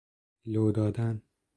لودادن